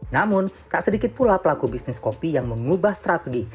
namun tak sedikit pula pelaku bisnis kopi yang mengubah strategi